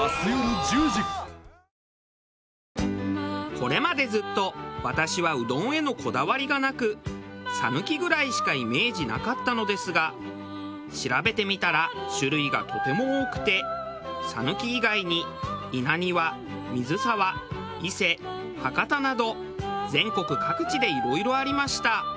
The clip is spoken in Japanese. これまでずっと私はうどんへのこだわりがなく讃岐ぐらいしかイメージなかったのですが調べてみたら種類がとても多くて讃岐以外に稲庭水沢伊勢博多など全国各地でいろいろありました。